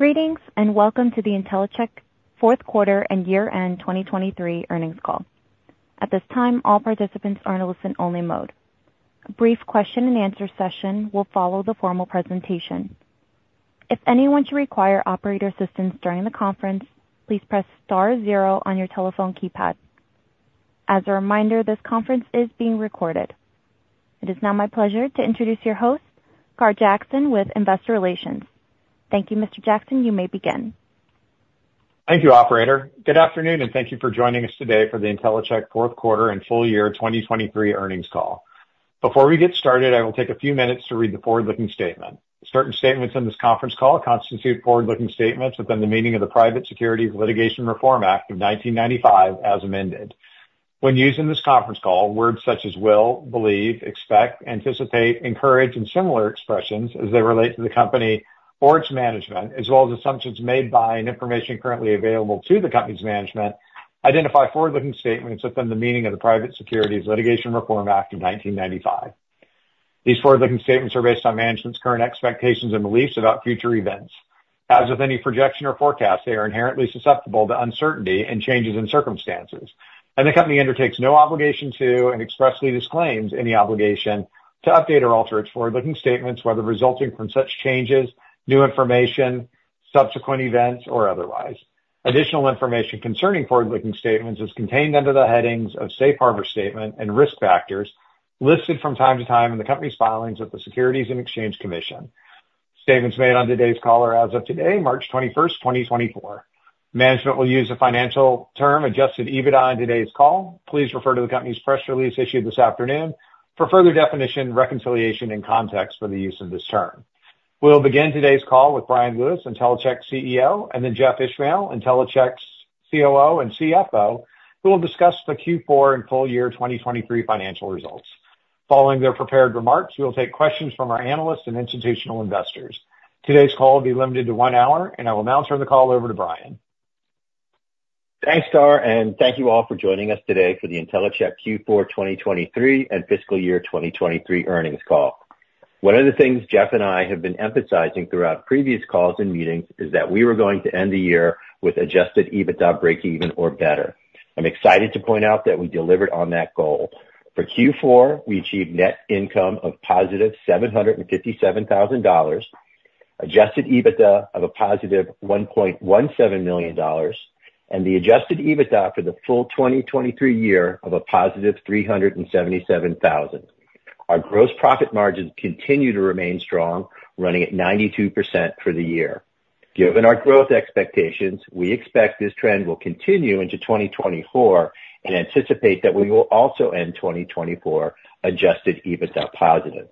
Greetings, and welcome to the Intellicheck fourth quarter and year-end 2023 earnings call. At this time, all participants are in a listen-only mode. A brief question and answer session will follow the formal presentation. If anyone should require operator assistance during the conference, please press star zero on your telephone keypad. As a reminder, this conference is being recorded. It is now my pleasure to introduce your host, Gar Jackson, with Investor Relations. Thank you, Mr. Jackson. You may begin. Thank you, operator. Good afternoon, and thank you for joining us today for the Intellicheck fourth quarter and full-year 2023 earnings call. Before we get started, I will take a few minutes to read the forward-looking statement. Certain statements in this conference call constitute forward-looking statements within the meaning of the Private Securities Litigation Reform Act of 1995, as amended. When used in this conference call, words such as will, believe, expect, anticipate, encourage, and similar expressions as they relate to the company or its management, as well as assumptions made by and information currently available to the company's management, identify forward-looking statements within the meaning of the Private Securities Litigation Reform Act of 1995. These forward-looking statements are based on management's current expectations and beliefs about future events. As with any projection or forecast, they are inherently susceptible to uncertainty and changes in circumstances, and the company undertakes no obligation to and expressly disclaims any obligation to update or alter its forward-looking statements, whether resulting from such changes, new information, subsequent events, or otherwise. Additional information concerning forward-looking statements is contained under the headings of Safe Harbor Statement and Risk Factors listed from time to time in the company's filings with the Securities and Exchange Commission. Statements made on today's call are as of today, March 21st, 2024. Management will use the financial term Adjusted EBITDA on today's call. Please refer to the company's press release issued this afternoon for further definition, reconciliation, and context for the use of this term. We'll begin today's call with Bryan Lewis, Intellicheck's CEO, and then Jeff Ishmael, Intellicheck's COO and CFO, who will discuss the Q4 and full-year 2023 financial results. Following their prepared remarks, we will take questions from our analysts and institutional investors. Today's call will be limited to one hour, and I will now turn the call over to Bryan. Thanks, Gar, and thank you all for joining us today for the Intellicheck Q4 2023 and fiscal year 2023 earnings call. One of the things Jeff and I have been emphasizing throughout previous calls and meetings is that we were going to end the year with adjusted EBITDA breakeven or better. I'm excited to point out that we delivered on that goal. For Q4, we achieved net income of positive $757,000, adjusted EBITDA of a positive $1.17 million, and the adjusted EBITDA for the full 2023 year of a positive $377,000. Our gross profit margins continue to remain strong, running at 92% for the year. Given our growth expectations, we expect this trend will continue into 2024 and anticipate that we will also end 2024 adjusted EBITDA positive.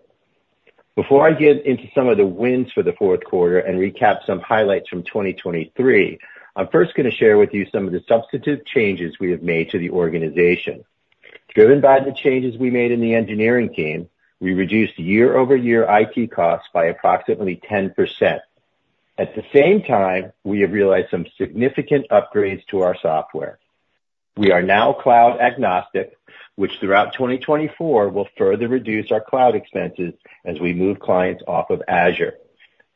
Before I get into some of the wins for the fourth quarter and recap some highlights from 2023, I'm first going to share with you some of the substantive changes we have made to the organization. Driven by the changes we made in the engineering team, we reduced year-over-year IT costs by approximately 10%. At the same time, we have realized some significant upgrades to our software. We are now cloud agnostic, which throughout 2024 will further reduce our cloud expenses as we move clients off of Azure.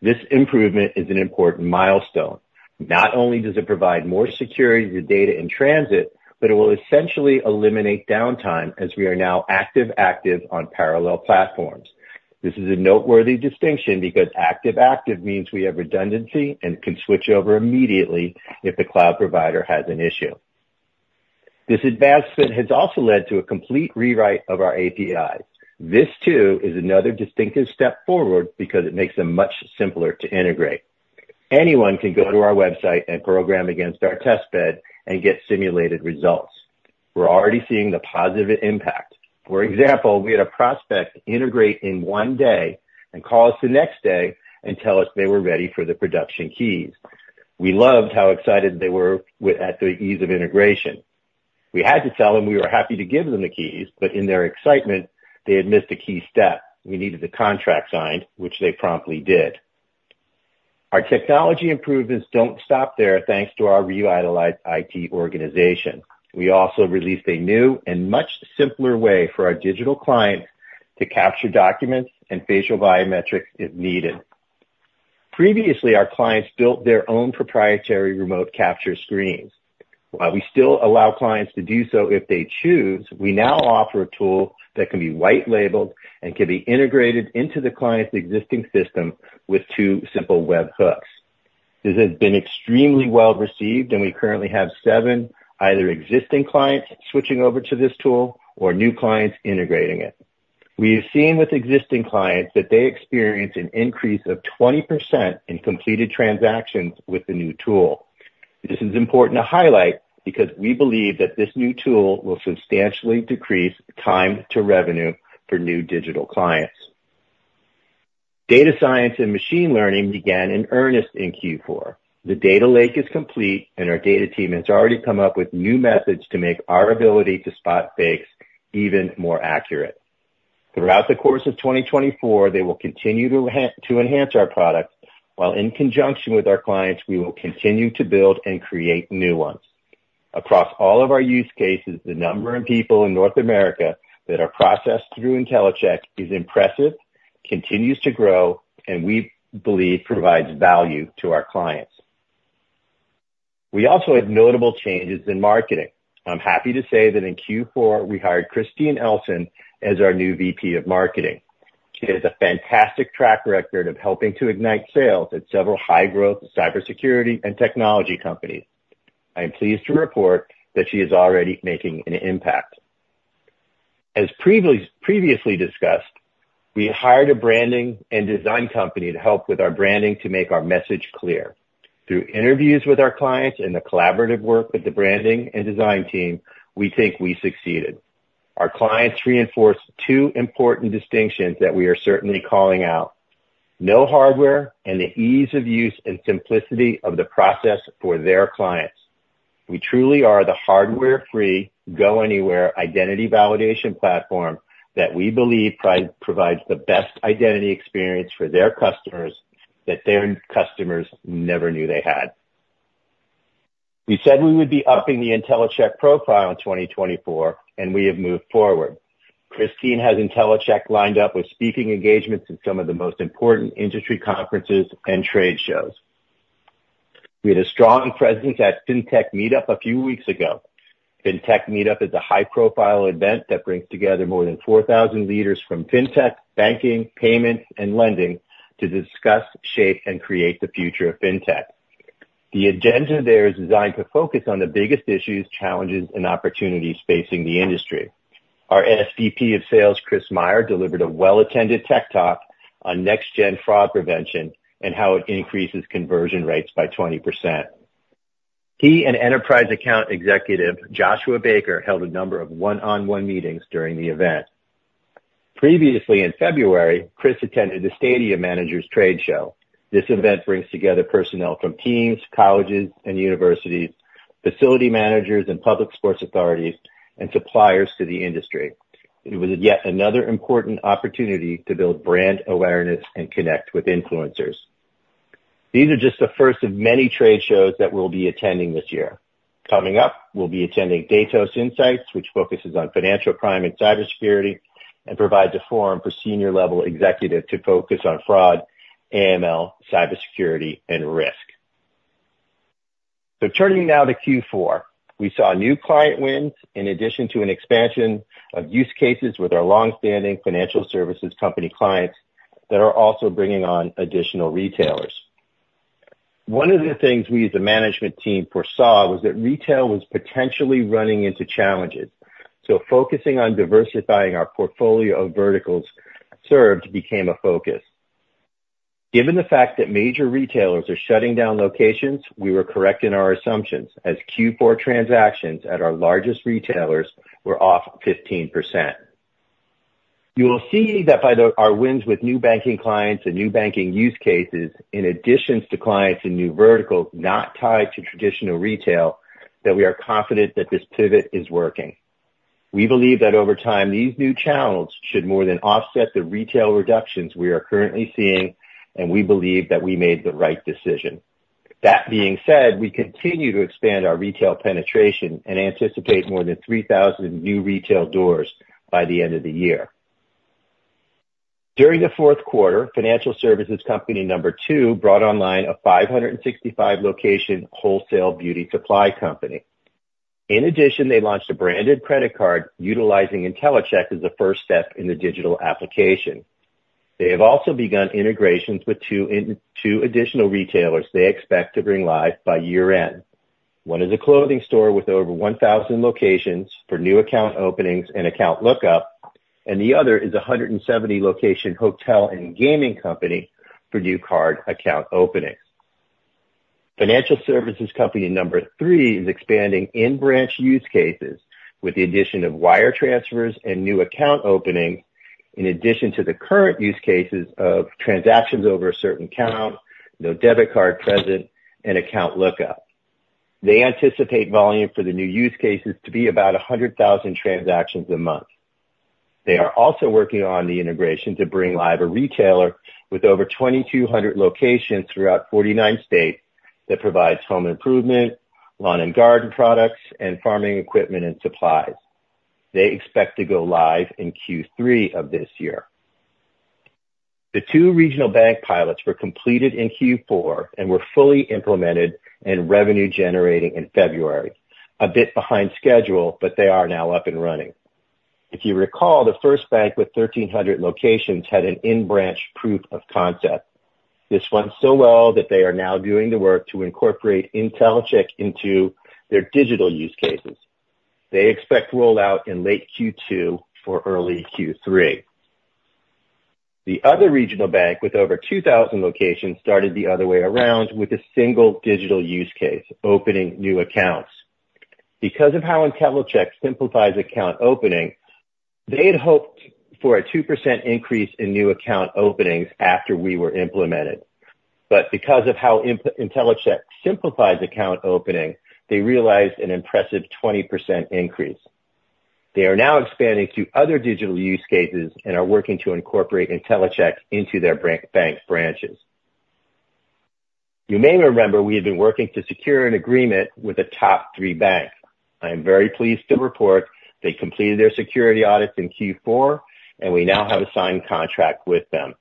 This improvement is an important milestone. Not only does it provide more security to data in transit, but it will essentially eliminate downtime as we are now active-active on parallel platforms. This is a noteworthy distinction because active-active means we have redundancy and can switch over immediately if the cloud provider has an issue. This advancement has also led to a complete rewrite of our APIs. This, too, is another distinctive step forward because it makes them much simpler to integrate. Anyone can go to our website and program against our test bed and get simulated results. We're already seeing the positive impact. For example, we had a prospect integrate in one day and call us the next day and tell us they were ready for the production keys. We loved how excited they were with at the ease of integration. We had to tell them we were happy to give them the keys, but in their excitement, they had missed a key step. We needed the contract signed, which they promptly did. Our technology improvements don't stop there, thanks to our revitalized IT organization. We also released a new and much simpler way for our digital clients to capture documents and facial biometrics if needed. Previously, our clients built their own proprietary remote capture screens. While we still allow clients to do so if they choose, we now offer a tool that can be white labeled and can be integrated into the client's existing system with two simple webhooks. This has been extremely well received, and we currently have seven, either existing clients switching over to this tool or new clients integrating it. We have seen with existing clients that they experience an increase of 20% in completed transactions with the new tool. This is important to highlight because we believe that this new tool will substantially decrease time to revenue for new digital clients. Data science and machine learning began in earnest in Q4. The data lake is complete, and our data team has already come up with new methods to make our ability to spot fakes even more accurate. Throughout the course of 2024, they will continue to enhance our product, while in conjunction with our clients, we will continue to build and create new ones. Across all of our use cases, the number of people in North America that are processed through Intellicheck is impressive, continues to grow, and we believe provides value to our clients. We also had notable changes in marketing. I'm happy to say that in Q4, we hired Christine Elson as our new VP of Marketing. She has a fantastic track record of helping to ignite sales at several high-growth cybersecurity and technology companies. I am pleased to report that she is already making an impact. As previously discussed, we hired a branding and design company to help with our branding to make our message clear. Through interviews with our clients and the collaborative work with the branding and design team, we think we succeeded. Our clients reinforced two important distinctions that we are certainly calling out, no hardware and the ease of use and simplicity of the process for their clients. We truly are the hardware-free, go-anywhere identity validation platform that we believe provides the best identity experience for their customers, that their customers never knew they had. We said we would be upping the Intellicheck profile in 2024, and we have moved forward. Christine has Intellicheck lined up with speaking engagements in some of the most important industry conferences and trade shows. We had a strong presence at Fintech Meetup a few weeks ago. Fintech Meetup is a high-profile event that brings together more than 4,000 leaders from Fintech, banking, payments, and lending to discuss, shape, and create the future of Fintech. The agenda there is designed to focus on the biggest issues, challenges, and opportunities facing the industry. Our SVP of Sales, Chris Meyer, delivered a well-attended tech talk on next-gen fraud prevention and how it increases conversion rates by 20%. He and Enterprise Account Executive Joshua Baker held a number of one-on-one meetings during the event. Previously, in February, Chris attended the Stadium Managers Trade Show. This event brings together personnel from teams, colleges and universities, facility managers and public sports authorities, and suppliers to the industry. It was yet another important opportunity to build brand awareness and connect with influencers. These are just the first of many trade shows that we'll be attending this year. Coming up, we'll be attending Datos Insights, which focuses on financial crime and cybersecurity, and provides a forum for senior-level executives to focus on fraud, AML, cybersecurity, and risk. So turning now to Q4, we saw new client wins, in addition to an expansion of use cases with our longstanding financial services company clients that are also bringing on additional retailers. One of the things we, as a management team, foresaw was that retail was potentially running into challenges, so focusing on diversifying our portfolio of verticals served became a focus. Given the fact that major retailers are shutting down locations, we were correct in our assumptions as Q4 transactions at our largest retailers were off 15%. You will see that by our wins with new banking clients and new banking use cases, in addition to clients in new verticals not tied to traditional retail, that we are confident that this pivot is working. We believe that over time, these new channels should more than offset the retail reductions we are currently seeing, and we believe that we made the right decision. That being said, we continue to expand our retail penetration and anticipate more than 3,000 new retail doors by the end of the year. During the fourth quarter, financial services company number two brought online a 565 location wholesale beauty supply company. In addition, they launched a branded credit card utilizing Intellicheck as the first step in the digital application. They have also begun integrations with two additional retailers they expect to bring live by year-end. One is a clothing store with over 1,000 locations for new account openings and account lookup, and the other is a 170 location hotel and gaming company for new card account openings. Financial services company number three is expanding in-branch use cases with the addition of wire transfers and new account openings, in addition to the current use cases of transactions over a certain count, no debit card present, and account lookup. They anticipate volume for the new use cases to be about 100,000 transactions a month. They are also working on the integration to bring live a retailer with over 2,200 locations throughout 49 states, that provides home improvement, lawn and garden products, and farming equipment and supplies. They expect to go live in Q3 of this year. The two regional bank pilots were completed in Q4 and were fully implemented and revenue generating in February, a bit behind schedule, but they are now up and running. If you recall, the first bank with 1,300 locations had an in-branch proof of concept. This went so well that they are now doing the work to incorporate Intellicheck into their digital use cases. They expect rollout in late Q2 or early Q3. The other regional bank with over 2,000 locations, started the other way around, with a single digital use case, opening new accounts. Because of how Intellicheck simplifies account opening, they had hoped for a 2% increase in new account openings after we were implemented. But because of how Intellicheck simplifies account opening, they realized an impressive 20% increase. They are now expanding to other digital use cases and are working to incorporate Intellicheck into their bank branches. You may remember we have been working to secure an agreement with the top three banks. I am very pleased to report they completed their security audits in Q4, and we now have a signed contract with them.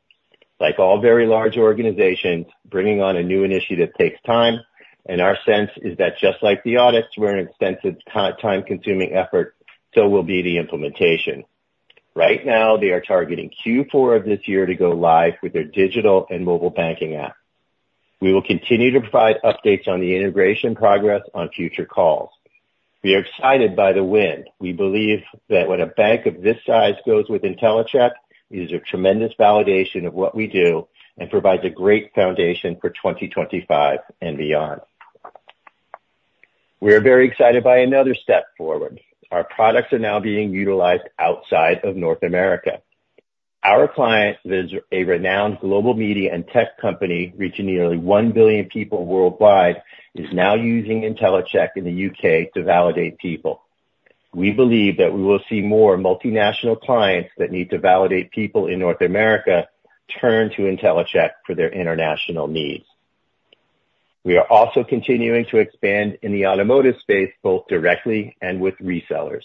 Like all very large organizations, bringing on a new initiative takes time, and our sense is that just like the audits were an extensive, time-consuming effort, so will be the implementation. Right now, they are targeting Q4 of this year to go live with their digital and mobile banking app. We will continue to provide updates on the integration progress on future calls. We are excited by the win. We believe that when a bank of this size goes with Intellicheck, it is a tremendous validation of what we do and provides a great foundation for 2025 and beyond. We are very excited by another step forward. Our products are now being utilized outside of North America. Our client is a renowned global media and tech company, reaching nearly one billion people worldwide, is now using Intellicheck in the U.K. to validate people. We believe that we will see more multinational clients that need to validate people in North America turn to Intellicheck for their international needs. We are also continuing to expand in the automotive space, both directly and with resellers.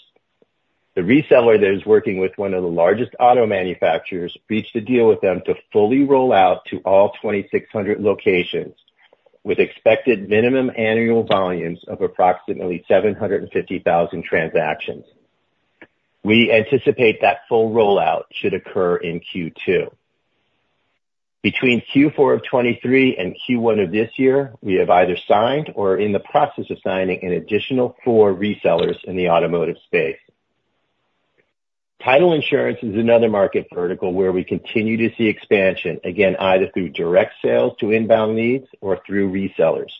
The reseller that is working with one of the largest auto manufacturers, reached a deal with them to fully roll out to all 2,600 locations, with expected minimum annual volumes of approximately 750,000 transactions. We anticipate that full rollout should occur in Q2. Between Q4 of 2023 and Q1 of this year, we have either signed or are in the process of signing an additional four resellers in the automotive space. Title insurance is another market vertical where we continue to see expansion, again, either through direct sales to inbound leads or through resellers.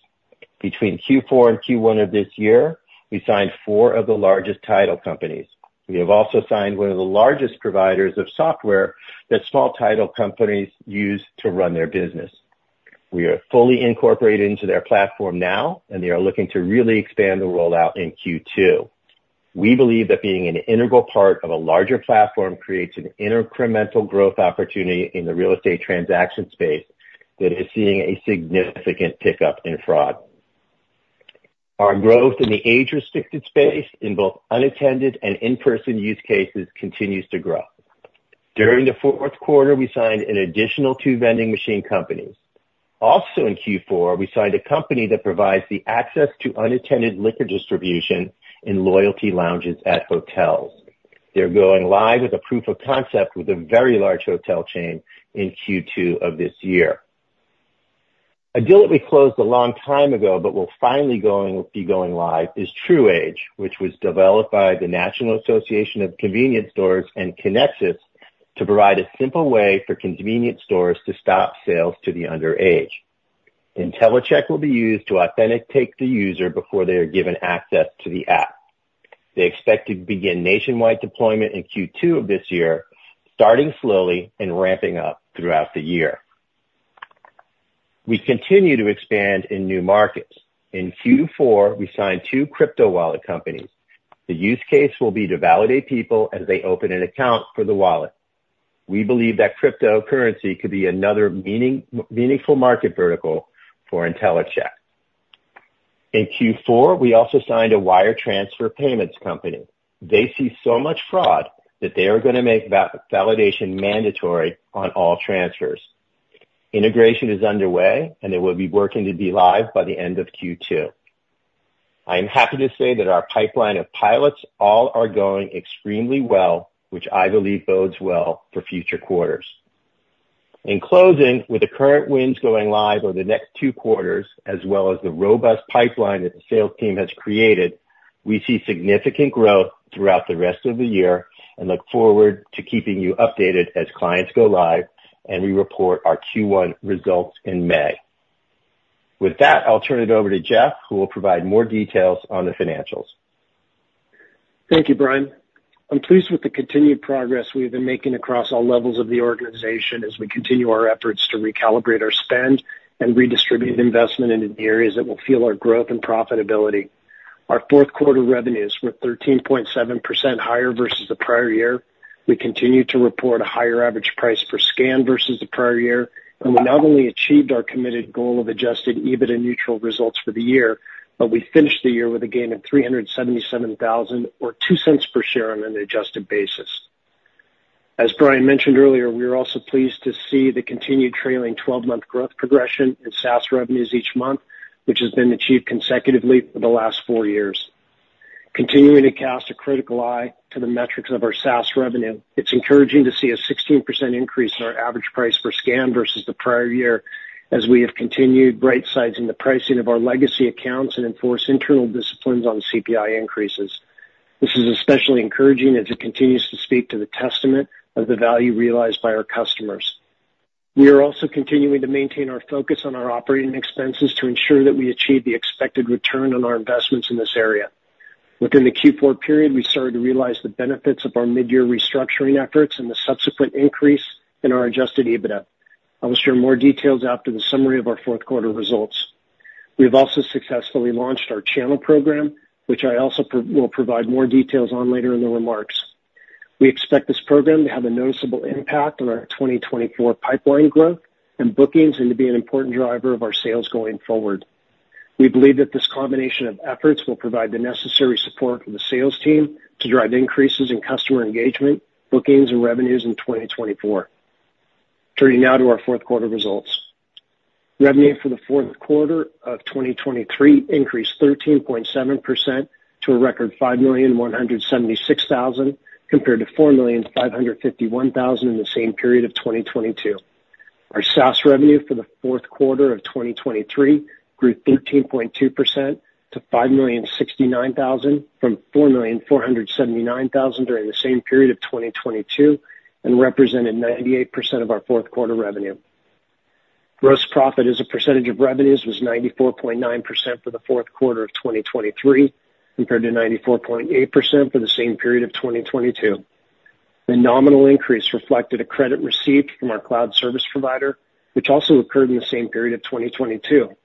Between Q4 and Q1 of this year, we signed four of the largest title companies. We have also signed one of the largest providers of software that small title companies use to run their business. We are fully incorporated into their platform now, and they are looking to really expand the rollout in Q2. We believe that being an integral part of a larger platform creates an incremental growth opportunity in the real estate transaction space that is seeing a significant pickup in fraud. Our growth in the age-restricted space, in both unattended and in-person use cases, continues to grow. During the fourth quarter, we signed an additional two vending machine companies. Also in Q4, we signed a company that provides the access to unattended liquor distribution in loyalty lounges at hotels. They're going live with a proof of concept with a very large hotel chain in Q2 of this year. A deal that we closed a long time ago, but will finally be going live, is TruAge, which was developed by the National Association of Convenience Stores and Conexxus to provide a simple way for convenience stores to stop sales to the underage. Intellicheck will be used to authenticate the user before they are given access to the app. They expect to begin nationwide deployment in Q2 of this year, starting slowly and ramping up throughout the year. We continue to expand in new markets. In Q4, we signed two crypto wallet companies. The use case will be to validate people as they open an account for the wallet. We believe that cryptocurrency could be another meaningful market vertical for Intellicheck. In Q4, we also signed a wire transfer payments company. They see so much fraud that they are gonna make validation mandatory on all transfers. Integration is underway, and they will be working to be live by the end of Q2. I am happy to say that our pipeline of pilots all are going extremely well, which I believe bodes well for future quarters. In closing, with the current wins going live over the next two quarters, as well as the robust pipeline that the sales team has created, we see significant growth throughout the rest of the year and look forward to keeping you updated as clients go live, and we report our Q1 results in May. With that, I'll turn it over to Jeff, who will provide more details on the financials. Thank you, Bryan. I'm pleased with the continued progress we have been making across all levels of the organization as we continue our efforts to recalibrate our spend and redistribute investment into the areas that will fuel our growth and profitability. Our fourth quarter revenues were 13.7% higher versus the prior year. We continue to report a higher average price per scan versus the prior year, and we not only achieved our committed goal of Adjusted EBITDA neutral results for the year, but we finished the year with a gain of $377,000, or $0.02 per share on an adjusted basis. As Bryan mentioned earlier, we are also pleased to see the continued trailing twelve-month growth progression in SaaS revenues each month, which has been achieved consecutively for the last four years. Continuing to cast a critical eye to the metrics of our SaaS revenue, it's encouraging to see a 16% increase in our average price per scan versus the prior year, as we have continued right-sizing the pricing of our legacy accounts and enforce internal disciplines on CPI increases. This is especially encouraging as it continues to speak to the testament of the value realized by our customers. We are also continuing to maintain our focus on our operating expenses to ensure that we achieve the expected return on our investments in this area. Within the Q4 period, we started to realize the benefits of our midyear restructuring efforts and the subsequent increase in our adjusted EBITDA. I will share more details after the summary of our fourth quarter results. We've also successfully launched our channel program, which I also will provide more details on later in the remarks. We expect this program to have a noticeable impact on our 2024 pipeline growth and bookings, and to be an important driver of our sales going forward. We believe that this combination of efforts will provide the necessary support for the sales team to drive increases in customer engagement, bookings, and revenues in 2024. Turning now to our fourth quarter results. Revenue for the fourth quarter of 2023 increased 13.7% to a record $5,176,000, compared to $4,551,000 in the same period of 2022. Our SaaS revenue for the fourth quarter of 2023 grew 13.2% to $5,069,000, from $4,479,000 during the same period of 2022, and represented 98% of our fourth quarter revenue. Gross profit as a percentage of revenues was 94.9% for the fourth quarter of 2023, compared to 94.8% for the same period of 2022. The nominal increase reflected a credit received from our cloud service provider, which also occurred in the same period of 2022.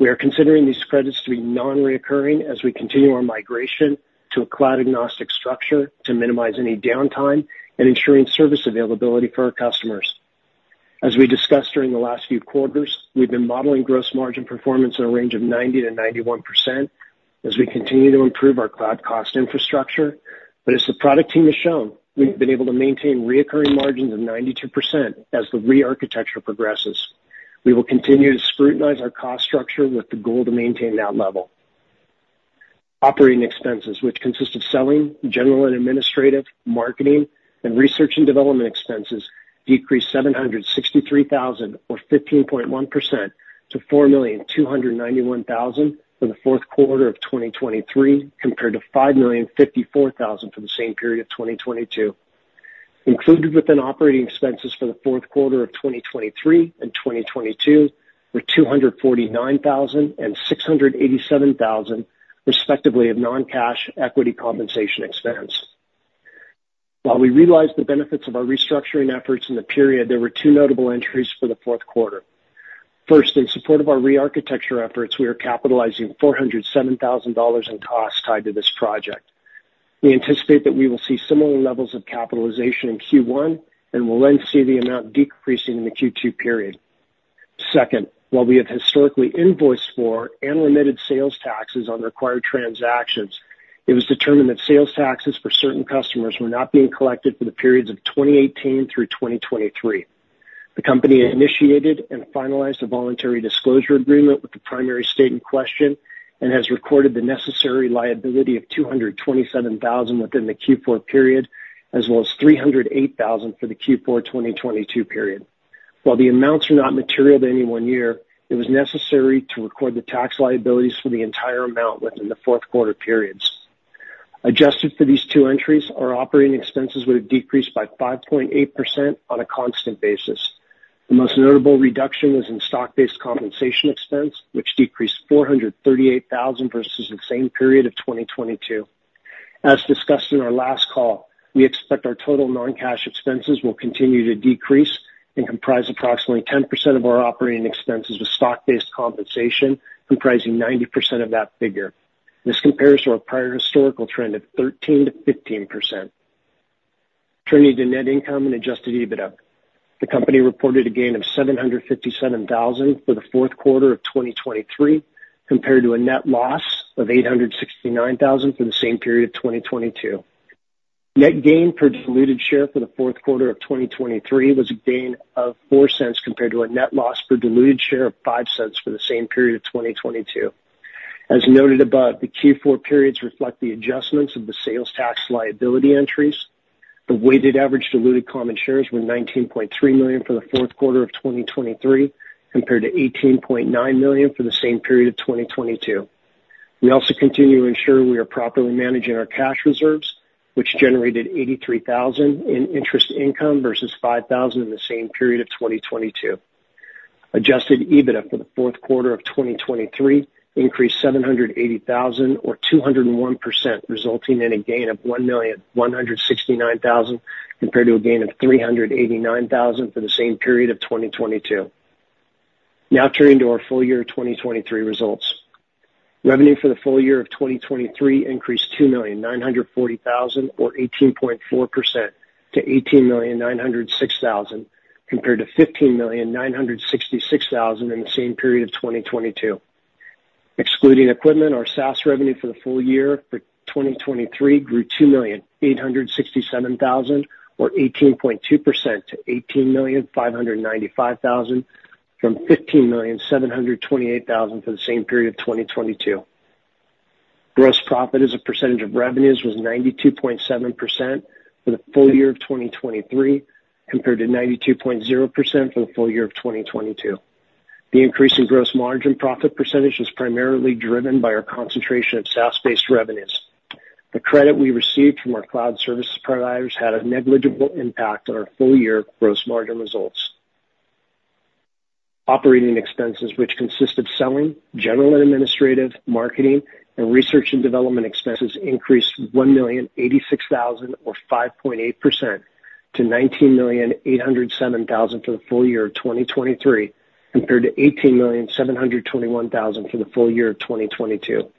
We are considering these credits to be non-recurring as we continue our migration to a cloud agnostic structure to minimize any downtime and ensuring service availability for our customers. As we discussed during the last few quarters, we've been modeling gross margin performance in a range of 90%-91% as we continue to improve our cloud cost infrastructure. But as the product team has shown, we've been able to maintain recurring margins of 92% as the rearchitecture progresses. We will continue to scrutinize our cost structure with the goal to maintain that level. Operating expenses, which consist of selling, general and administrative, marketing, and research and development expenses, decreased $763,000, or 15.1%, to $4,291,000 for the fourth quarter of 2023, compared to $5,054,000 for the same period of 2022. Included within operating expenses for the fourth quarter of 2023 and 2022 were $249,000 and $687,000, respectively, of non-cash equity compensation expense. While we realized the benefits of our restructuring efforts in the period, there were two notable entries for the fourth quarter. First, in support of our rearchitecture efforts, we are capitalizing $407,000 in costs tied to this project. We anticipate that we will see similar levels of capitalization in Q1, and will then see the amount decreasing in the Q2 period. Second, while we have historically invoiced for and limited sales taxes on required transactions, it was determined that sales taxes for certain customers were not being collected for the periods of 2018 through 2023. The company initiated and finalized a voluntary disclosure agreement with the primary state in question, and has recorded the necessary liability of $227,000 within the Q4 period, as well as $308,000 for the Q4 2022 period. While the amounts are not material to any one year, it was necessary to record the tax liabilities for the entire amount within the fourth quarter periods. Adjusted for these two entries, our operating expenses would have decreased by 5.8% on a constant basis. The most notable reduction is in stock-based compensation expense, which decreased $438,000 versus the same period of 2022. As discussed in our last call, we expect our total non-cash expenses will continue to decrease and comprise approximately 10% of our operating expenses, with stock-based compensation comprising 90% of that figure. This compares to our prior historical trend of 13%-15%. Turning to net income and Adjusted EBITDA. The company reported a gain of $757,000 for the fourth quarter of 2023, compared to a net loss of $869,000 for the same period of 2022. Net gain per diluted share for the fourth quarter of 2023 was a gain of $0.04, compared to a net loss per diluted share of $0.05 for the same period of 2022. As noted above, the Q4 periods reflect the adjustments of the sales tax liability entries. The weighted average diluted common shares were 19.3 million for the fourth quarter of 2023, compared to 18.9 million for the same period of 2022. We also continue to ensure we are properly managing our cash reserves, which generated $83,000 in interest income versus $5,000 in the same period of 2022. Adjusted EBITDA for the fourth quarter of 2023 increased $780,000, or 201%, resulting in a gain of $1,169,000, compared to a gain of $389,000 for the same period of 2022. Now turning to our full-year 2023 results. Revenue for the full-year of 2023 increased $2,940,000, or 18.4%, to $18,906,000, compared to $15,966,000 in the same period of 2022. Excluding equipment, our SaaS revenue for the full-year for 2023 grew $2,867,000, or 18.2%, to $18,595,000, from $15,728,000 for the same period of 2022. Gross profit as a percentage of revenues was 92.7% for the full-year of 2023, compared to 92.0% for the full-year of 2022. The increase in gross margin profit percentage is primarily driven by our concentration of SaaS-based revenues. The credit we received from our cloud services providers had a negligible impact on our full-year gross margin results. Operating expenses, which consist of selling, general and administrative, marketing, and research and development expenses, increased $1,086,000, or 5.8% to $19,807,000 for the full-year of 2023, compared to $18,721,000 for the full-year of 2022.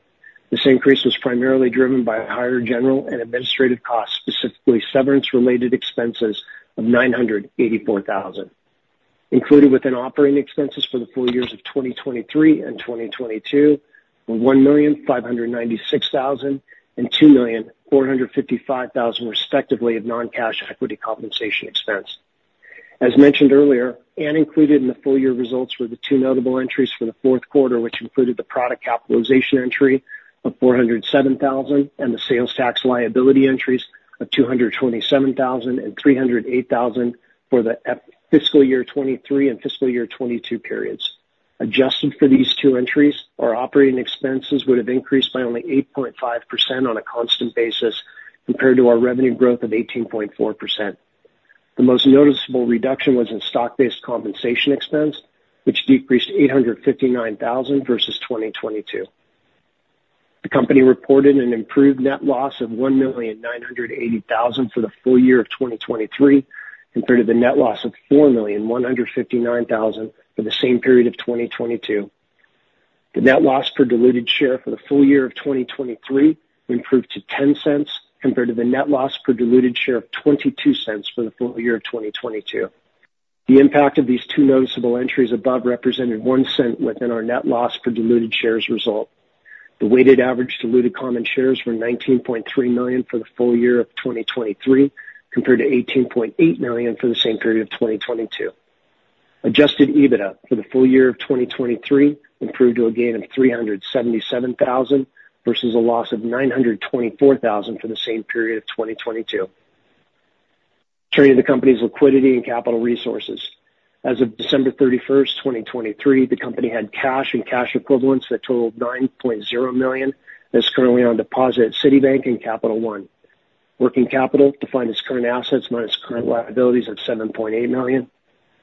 This increase was primarily driven by higher general and administrative costs, specifically severance-related expenses of $984,000. Included within operating expenses for the full-years of 2023 and 2022 were $1,596,000 and $2,455,000, respectively, of non-cash equity compensation expense. As mentioned earlier, and included in the full-year results were the two notable entries for the fourth quarter, which included the product capitalization entry of $407,000, and the sales tax liability entries of $227,000 and $308,000 for the Q4 fiscal year 2023 and fiscal year 2022 periods. Adjusted for these two entries, our operating expenses would have increased by only 8.5% on a constant basis compared to our revenue growth of 18.4%. The most noticeable reduction was in stock-based compensation expense, which decreased $859,000 versus 2022. The company reported an improved net loss of $1,980,000 for the full-year of 2023, compared to the net loss of $4,159,000 for the same period of 2022. The net loss per diluted share for the full-year of 2023 improved to $0.10, compared to the net loss per diluted share of $0.22 for the full-year of 2022. The impact of these two noticeable entries above represented $0.01 within our net loss per diluted shares result. The weighted average diluted common shares were 19.3 million for the full-year of 2023, compared to 18.8 million for the same period of 2022. Adjusted EBITDA for the full-year of 2023 improved to a gain of $377,000, versus a loss of $924,000 for the same period of 2022. Turning to the company's liquidity and capital resources. As of December 31st, 2023, the company had cash and cash equivalents that totaled $9.0 million, that's currently on deposit at Citibank and Capital One. Working capital defined as current assets minus current liabilities of $7.8 million,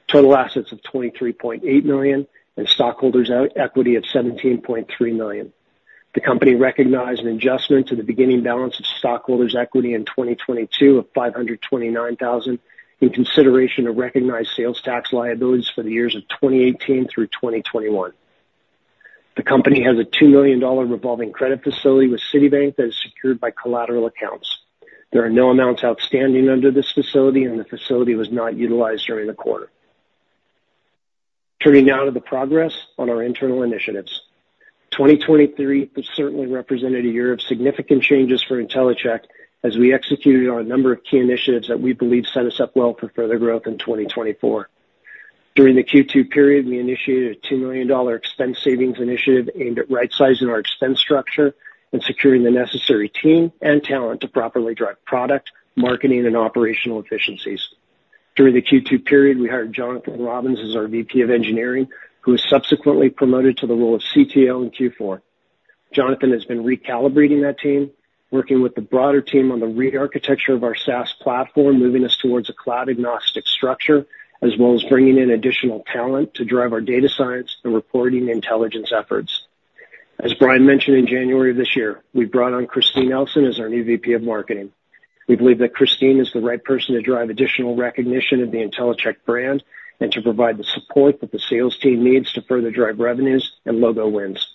total assets of $23.8 million, and stockholders' equity of $17.3 million. The company recognized an adjustment to the beginning balance of stockholders' equity in 2022 of $529,000, in consideration of recognized sales tax liabilities for the years of 2018 through 2021. The company has a $2 million revolving credit facility with Citibank that is secured by collateral accounts. There are no amounts outstanding under this facility, and the facility was not utilized during the quarter. Turning now to the progress on our internal initiatives. 2023 has certainly represented a year of significant changes for Intellicheck as we executed on a number of key initiatives that we believe set us up well for further growth in 2024. During the Q2 period, we initiated a $2 million expense savings initiative aimed at rightsizing our expense structure and securing the necessary team and talent to properly drive product, marketing, and operational efficiencies. During the Q2 period, we hired Jonathan Robins as our VP of Engineering, who was subsequently promoted to the role of CTO in Q4. Jonathan has been recalibrating that team, working with the broader team on the re-architecture of our SaaS platform, moving us towards a cloud-agnostic structure, as well as bringing in additional talent to drive our data science and reporting intelligence efforts. As Bryan mentioned, in January of this year, we brought on Christine Elson as our new VP of Marketing. We believe that Christine is the right person to drive additional recognition of the Intellicheck brand and to provide the support that the sales team needs to further drive revenues and logo wins.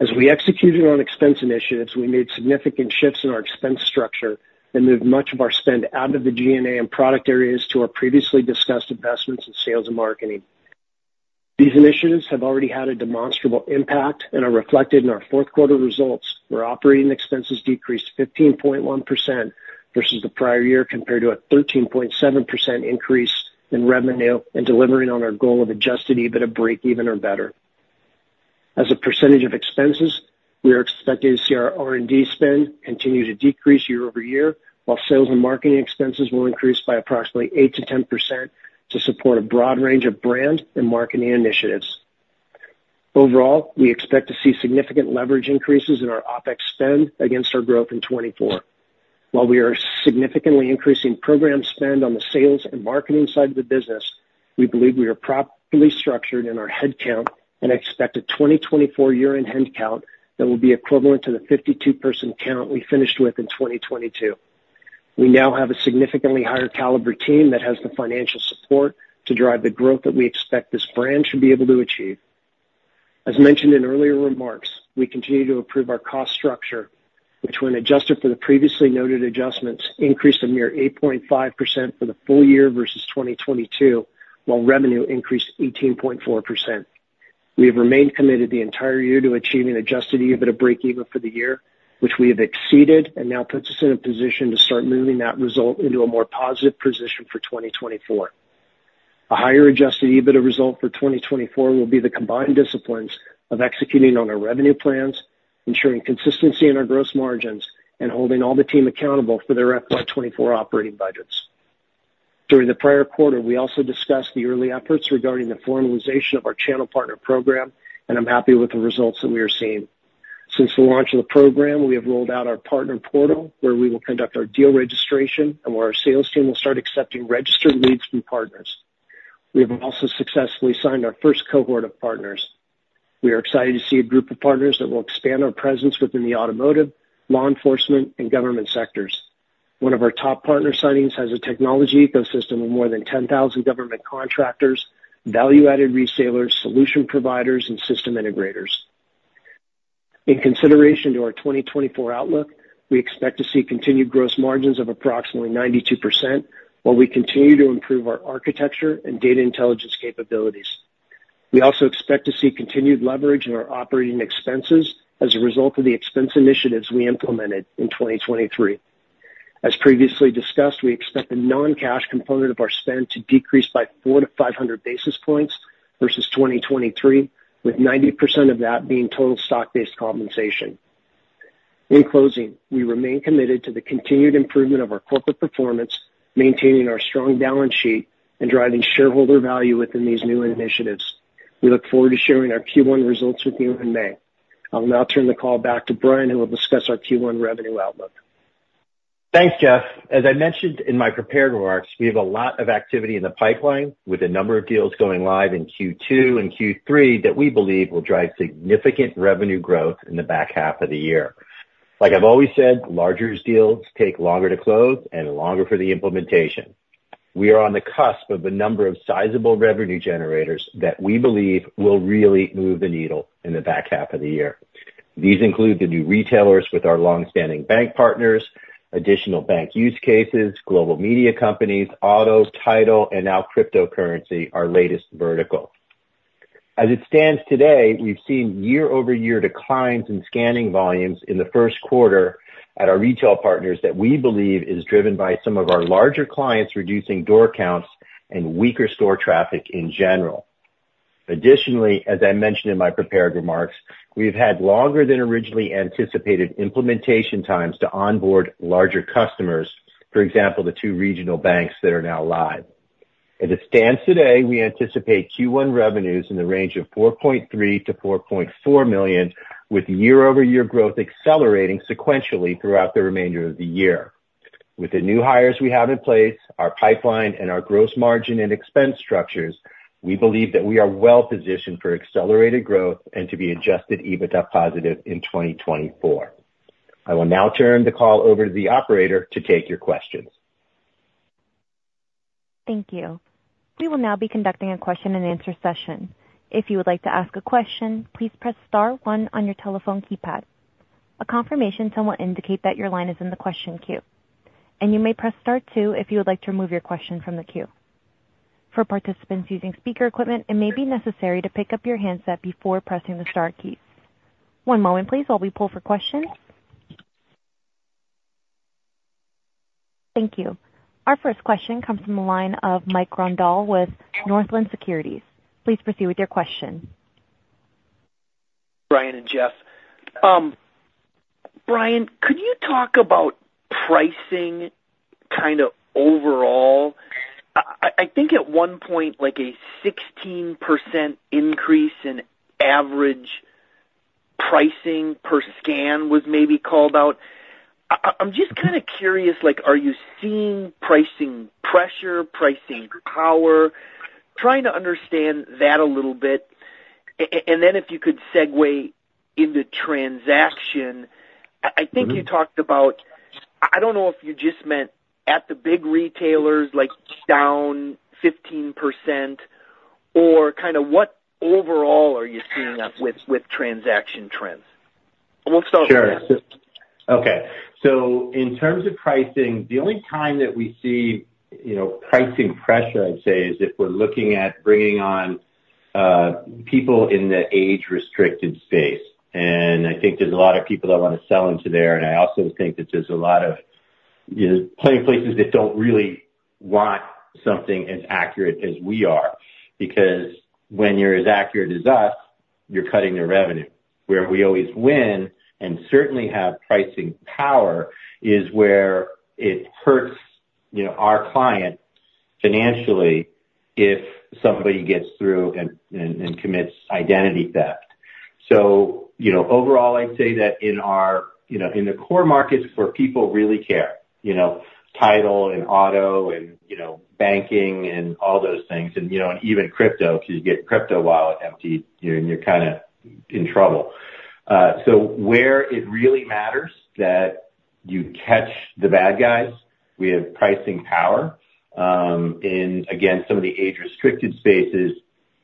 As we executed on expense initiatives, we made significant shifts in our expense structure and moved much of our spend out of the G&A and product areas to our previously discussed investments in sales and marketing. These initiatives have already had a demonstrable impact and are reflected in our fourth quarter results, where operating expenses decreased 15.1% versus the prior year, compared to a 13.7% increase in revenue and delivering on our goal of adjusted EBITDA breakeven or better. As a percentage of expenses, we are expecting to see our R&D spend continue to decrease year-over-year, while sales and marketing expenses will increase by approximately 8%-10% to support a broad range of brand and marketing initiatives. Overall, we expect to see significant leverage increases in our OpEx spend against our growth in 2024. While we are significantly increasing program spend on the sales and marketing side of the business, we believe we are properly structured in our headcount and expect a 2024 year-end headcount that will be equivalent to the 52 person count we finished with in 2022. We now have a significantly higher caliber team that has the financial support to drive the growth that we expect this brand should be able to achieve. As mentioned in earlier remarks, we continue to improve our cost structure, which, when adjusted for the previously noted adjustments, increased a mere 8.5% for the full-year versus 2022, while revenue increased 18.4%. We have remained committed the entire year to achieving Adjusted EBITDA breakeven for the year, which we have exceeded and now puts us in a position to start moving that result into a more positive position for 2024. A higher Adjusted EBITDA result for 2024 will be the combined disciplines of executing on our revenue plans, ensuring consistency in our gross margins, and holding all the team accountable for their FY 2024 operating budgets. During the prior quarter, we also discussed the early efforts regarding the formalization of our channel partner program, and I'm happy with the results that we are seeing. Since the launch of the program, we have rolled out our partner portal, where we will conduct our deal registration and where our sales team will start accepting registered leads from partners. We have also successfully signed our first cohort of partners. We are excited to see a group of partners that will expand our presence within the automotive, law enforcement, and government sectors. One of our top partner signings has a technology ecosystem of more than 10,000 government contractors, value-added resellers, solution providers, and system integrators. In consideration to our 2024 outlook, we expect to see continued gross margins of approximately 92%, while we continue to improve our architecture and data intelligence capabilities. We also expect to see continued leverage in our operating expenses as a result of the expense initiatives we implemented in 2023. As previously discussed, we expect the non-cash component of our spend to decrease by 400-500 basis points versus 2023, with 90% of that being total stock-based compensation. In closing, we remain committed to the continued improvement of our corporate performance, maintaining our strong balance sheet, and driving shareholder value within these new initiatives. We look forward to sharing our Q1 results with you in May. I'll now turn the call back to Bryan, who will discuss our Q1 revenue outlook. Thanks, Jeff. As I mentioned in my prepared remarks, we have a lot of activity in the pipeline, with a number of deals going live in Q2 and Q3 that we believe will drive significant revenue growth in the back half of the year. Like I've always said, larger deals take longer to close and longer for the implementation. We are on the cusp of a number of sizable revenue generators that we believe will really move the needle in the back half of the year. These include the new retailers with our long-standing bank partners, additional bank use cases, global media companies, auto, title, and now cryptocurrency, our latest vertical. As it stands today, we've seen year-over-year declines in scanning volumes in the first quarter at our retail partners that we believe is driven by some of our larger clients reducing door counts and weaker store traffic in general. Additionally, as I mentioned in my prepared remarks, we've had longer than originally anticipated implementation times to onboard larger customers, for example, the two regional banks that are now live. As it stands today, we anticipate Q1 revenues in the range of $4.3 million-$4.4 million, with year-over-year growth accelerating sequentially throughout the remainder of the year. With the new hires we have in place, our pipeline and our gross margin and expense structures, we believe that we are well positioned for accelerated growth and to be Adjusted EBITDA positive in 2024. I will now turn the call over to the operator to take your questions. Thank you. We will now be conducting a question-and-answer session. If you would like to ask a question, please press star one on your telephone keypad. A confirmation tone will indicate that your line is in the question queue, and you may press star two if you would like to remove your question from the queue. For participants using speaker equipment, it may be necessary to pick up your handset before pressing the star key. One moment, please, while we pull for questions. Thank you. Our first question comes from the line of Mike Grondahl with Northland Securities. Please proceed with your question. Bryan and Jeff. Bryan, could you talk about pricing kind of overall? I think at one point, like, a 16% increase in average pricing per scan was maybe called out. I'm just kind of curious, like, are you seeing pricing pressure, pricing power? Trying to understand that a little bit. And then if you could segue into transaction. I think you talked about, I don't know if you just meant at the big retailers, like down 15%, or kind of what overall are you seeing us with transaction trends? We'll start with that. Sure. Okay. So in terms of pricing, the only time that we see, you know, pricing pressure, I'd say, is if we're looking at bringing on, people in the age-restricted space. And I think there's a lot of people that want to sell into there, and I also think that there's a lot of, you know, plenty of places that don't really want something as accurate as we are, because when you're as accurate as us, you're cutting their revenue. Where we always win, and certainly have pricing power, is where it hurts, you know, our client financially if somebody gets through and commits identity theft. So, you know, overall, I'd say that in our, you know, in the core markets where people really care, you know, title and auto and, you know, banking and all those things, and, you know, and even crypto, because you get crypto wallet emptied, you know, and you're kind of in trouble. So where it really matters that you catch the bad guys, we have pricing power. And again, some of the age-restricted spaces,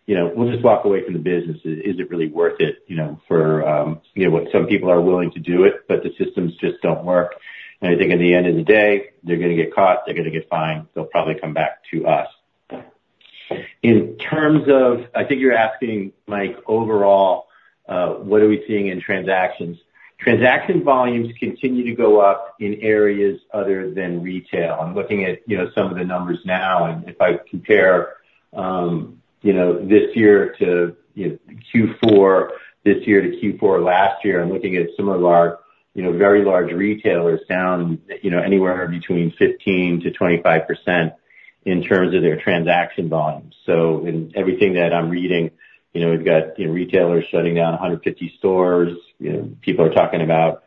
you know, we'll just walk away from the business. Is it really worth it, you know, for, you know what? Some people are willing to do it, but the systems just don't work. And I think at the end of the day, they're gonna get caught, they're gonna get fined, they'll probably come back to us. In terms of, I think you're asking, Mike, overall, what are we seeing in transactions? Transaction volumes continue to go up in areas other than retail. I'm looking at, you know, some of the numbers now, and if I compare, you know, this year to, you know, Q4 this year to Q4 last year, I'm looking at some of our, you know, very large retailers down, you know, anywhere between 15%-25% in terms of their transaction volumes. So in everything that I'm reading, you know, we've got, you know, retailers shutting down 150 stores. You know, people are talking about,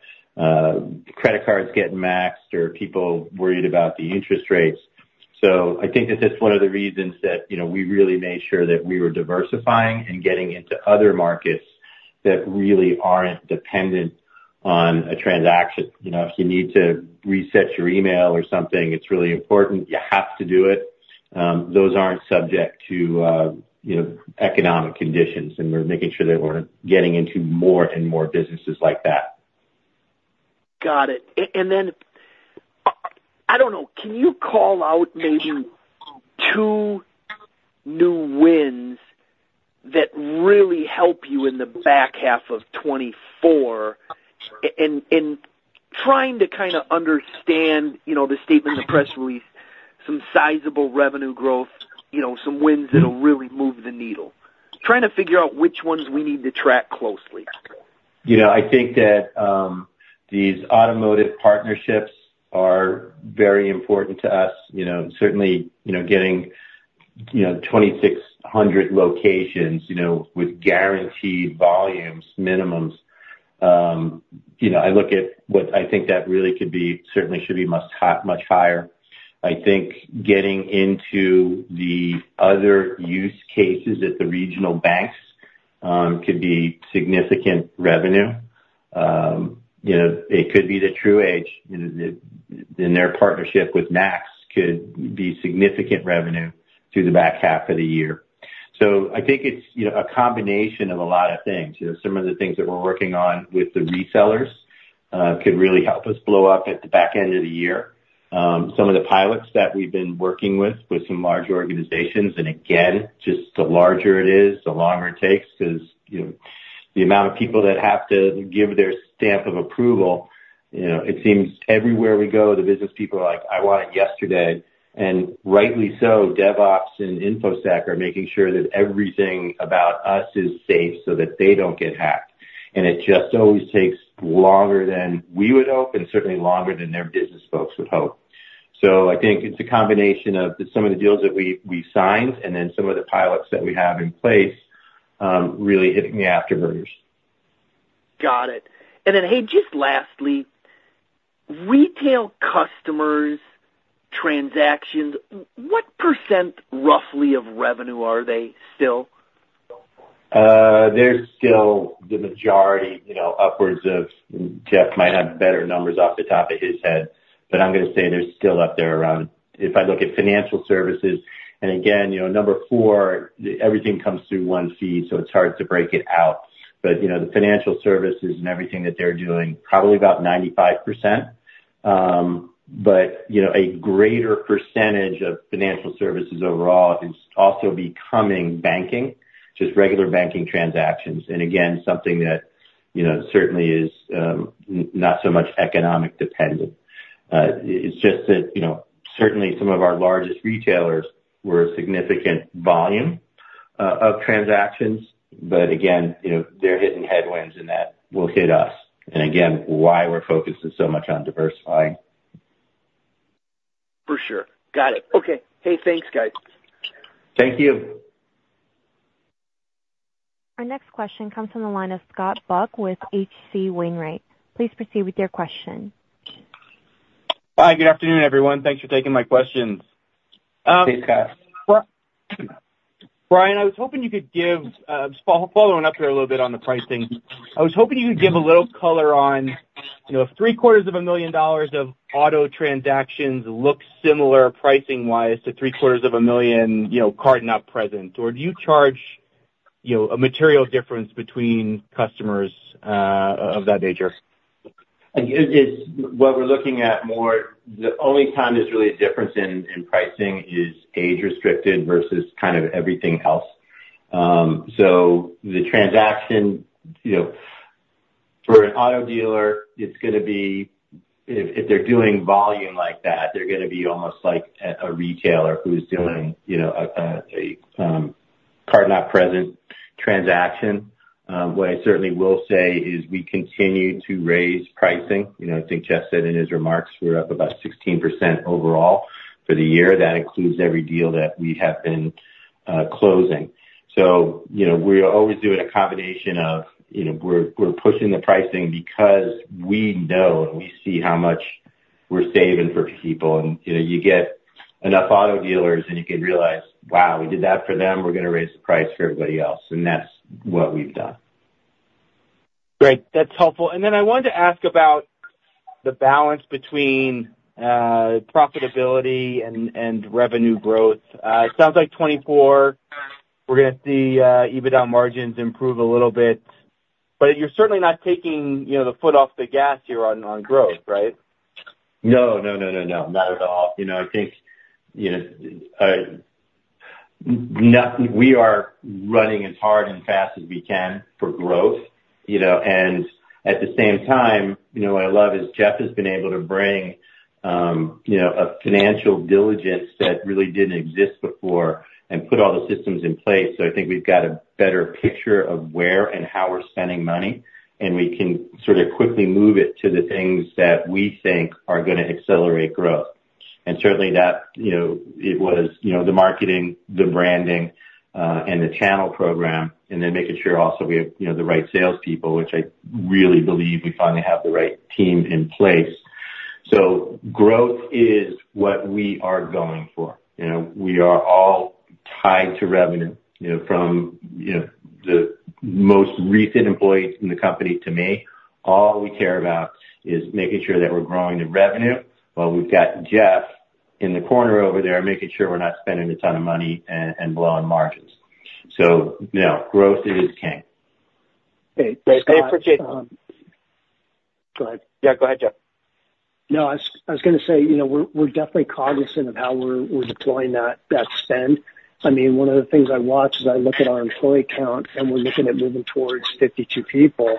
credit cards getting maxed or people worried about the interest rates. So I think that that's one of the reasons that, you know, we really made sure that we were diversifying and getting into other markets that really aren't dependent on a transaction. You know, if you need to reset your email or something, it's really important, you have to do it. Those aren't subject to, you know, economic conditions, and we're making sure that we're getting into more and more businesses like that. Got it. And then, I don't know, can you call out maybe two new wins that really help you in the back half of 2024? And trying to kind of understand, you know, the statement in the press release, some sizable revenue growth, you know, some wins that'll really move the needle. Trying to figure out which ones we need to track closely. You know, I think that these automotive partnerships are very important to us. You know, certainly, you know, getting, you know, 2,600 locations, you know, with guaranteed volumes, minimums, you know, I look at what I think that really could be, certainly should be much high, much higher. I think getting into the other use cases at the regional banks could be significant revenue. You know, it could be the TruAge, you know, and their partnership with NACS could be significant revenue through the back half of the year. So I think it's, you know, a combination of a lot of things. You know, some of the things that we're working on with the resellers could really help us blow up at the back end of the year. Some of the pilots that we've been working with, with some large organizations, and again, just the larger it is, the longer it takes because, you know, the amount of people that have to give their stamp of approval, you know, it seems everywhere we go, the business people are like, "I want it yesterday." And rightly so, DevOps and InfoSec are making sure that everything about us is safe so that they don't get hacked. And it just always takes longer than we would hope, and certainly longer than their business folks would hope. So I think it's a combination of some of the deals that we, we signed, and then some of the pilots that we have in place, really hitting the afterburners. Got it. And then, hey, just lastly, retail customers' transactions, what percent, roughly, of revenue are they still? They're still the majority, you know, upwards of, Jeff might have better numbers off the top of his head, but I'm gonna say they're still up there around, If I look at financial services, and again, you know, number four, everything comes through one feed, so it's hard to break it out. But, you know, the financial services and everything that they're doing, probably about 95%. But, you know, a greater percentage of financial services overall is also becoming banking, just regular banking transactions. And again, something that, you know, certainly is not so much economic dependent. It's just that, you know, certainly some of our largest retailers were a significant volume of transactions. But again, you know, they're hitting headwinds, and that will hit us. And again, why we're focusing so much on diversifying. For sure. Got it. Okay. Hey, thanks, guys. Thank you. Our next question comes from the line of Scott Buck with H.C. Wainwright. Please proceed with your question. Hi, good afternoon, everyone. Thanks for taking my questions. Hey, Scott. Bryan, I was hoping you could give, just following up there a little bit on the pricing. I was hoping you could give a little color on, you know, if $750,000 of auto transactions look similar, pricing-wise, to $750,000, you know, card-not-present, or do you charge, you know, a material difference between customers, of that nature? What we're looking at more, the only time there's really a difference in pricing is age-restricted versus kind of everything else. So the transaction, you know, for an auto dealer, it's gonna be if they're doing volume like that, they're gonna be almost like a retailer who's doing, you know, a card-not-present transaction. What I certainly will say is we continue to raise pricing. You know, I think Jeff said in his remarks we're up about 16% overall for the year. That includes every deal that we have been closing. So, you know, we're always doing a combination of, you know, we're pushing the pricing because we know and we see how much we're saving for people. You know, you get enough auto dealers and you can realize, wow, we did that for them, we're gonna raise the price for everybody else, and that's what we've done. Great, that's helpful. And then I wanted to ask about the balance between profitability and revenue growth. It sounds like 2024, we're gonna see EBITDA margins improve a little bit, but you're certainly not taking, you know, the foot off the gas here on growth, right? No, no, no, no, no, not at all. You know, I think, you know, We are running as hard and fast as we can for growth, you know, and at the same time, you know, what I love is Jeff has been able to bring, you know, a financial diligence that really didn't exist before and put all the systems in place. So I think we've got a better picture of where and how we're spending money, and we can sort of quickly move it to the things that we think are gonna accelerate growth. And certainly that, you know, it was, you know, the marketing, the branding, and the channel program, and then making sure also we have, you know, the right salespeople, which I really believe we finally have the right team in place. So growth is what we are going for. You know, we are all tied to revenue, you know, from, you know, the most recent employees in the company to me, all we care about is making sure that we're growing the revenue, while we've got Jeff in the corner over there, making sure we're not spending a ton of money and blowing margins. So, you know, growth is king. [inaudible] Yeah, go ahead, Jeff. No, I was gonna say, you know, we're definitely cognizant of how we're deploying that spend. I mean, one of the things I watch as I look at our employee count, and we're looking at moving towards 52 people.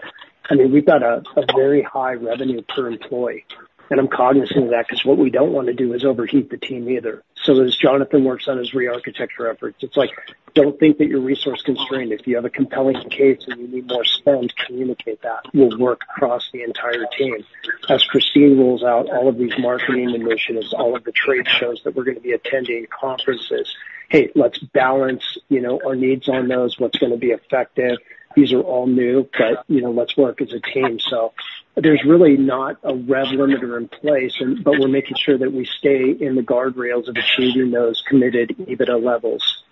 I mean, we've got a very high revenue per employee, and I'm cognizant of that, 'cause what we don't want to do is overheat the team either. So as Jonathan works on his rearchitecture efforts, it's like, don't think that you're resource constrained. If you have a compelling case and you need more spend, communicate that, we'll work across the entire team. As Christine rolls out all of these marketing initiatives, all of the trade shows that we're gonna be attending, conferences, hey, let's balance, you know, our needs on those, what's gonna be effective. These are all new, but, you know, let's work as a team. So there's really not a rev limiter in place, but we're making sure that we stay in the guardrails of achieving those committed EBITDA levels,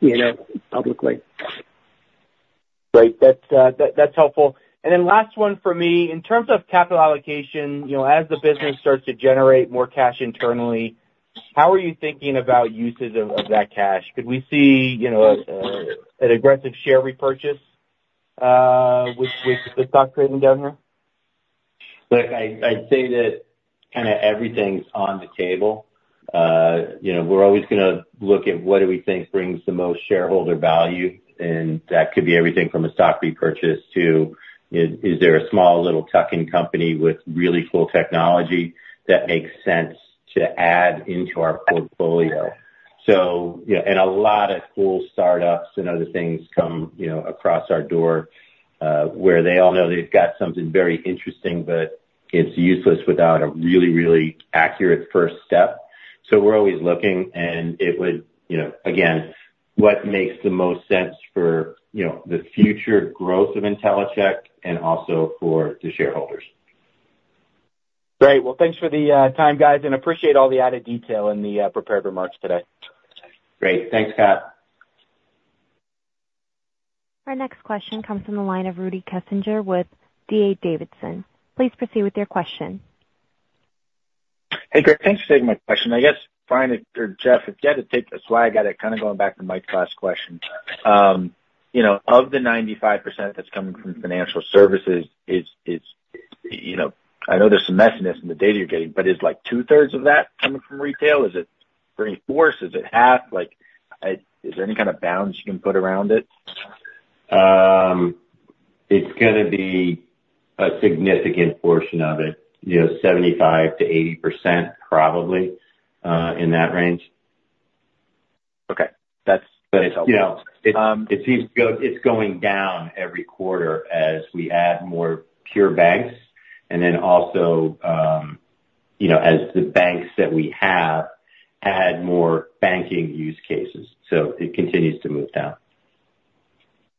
you know, publicly. Great, that's helpful. And then last one for me: in terms of capital allocation, you know, as the business starts to generate more cash internally, how are you thinking about uses of that cash? Could we see, you know, an aggressive share repurchase, with the stock trading down here? Look, I, I'd say that kind of everything's on the table. You know, we're always gonna look at what do we think brings the most shareholder value, and that could be everything from a stock repurchase to, is there a small, little tuck-in company with really cool technology that makes sense to add into our portfolio? So, you know, and a lot of cool startups and other things come, you know, across our door, where they all know they've got something very interesting, but it's useless without a really, really accurate first step. So we're always looking, and it would, you know, again, what makes the most sense for, you know, the future growth of Intellicheck and also for the shareholders. Great. Well, thanks for the time, guys, and appreciate all the added detail in the prepared remarks today. Great. Thanks, Scott. Our next question comes from the line of Rudy Kessinger with D.A. Davidson. Please proceed with your question. Hey, thanks for taking my question. I guess, Bryan or Jeff, if you had to take a swag at it, kind of going back to Mike Glass's question, you know, of the 95% that's coming from financial services, is, is, you know, I know there's some messiness in the data you're getting, but is like 2/3 of that coming from retail? Is it 3/4, is it 1/2? Like, is there any kind of bounds you can put around it? It's gonna be a significant portion of it, you know, 75%-80% probably, in that range. Okay. That's, that's helpful. You know, it seems it's going down every quarter as we add more pure banks, and then also, you know, as the banks that we have add more banking use cases. So it continues to move down.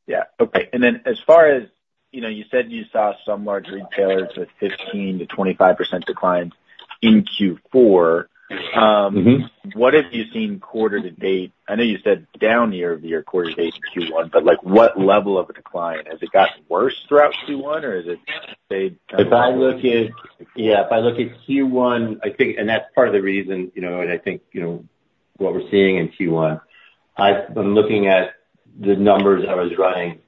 Yeah. Okay. And then as far as, you know, you said you saw some large retailers with 15%-25% declines in Q4 Mm-hmm. What have you seen quarter to date? I know you said down year-over-year, quarter to date in Q1, but like, what level of a decline? Has it gotten worse throughout Q1, or has it stayed kind of If I look at, Yeah, if I look at Q1, I think, and that's part of the reason, you know, and I think, you know, what we're seeing in Q1, I'm looking at the numbers I was running,